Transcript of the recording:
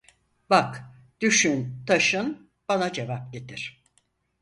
Bak, düşün, taşın, bana cevap getir.